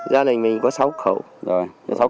gia đình mình có sáu khẩu